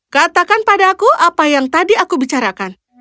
katakan padaku apa yang tadi aku bicarakan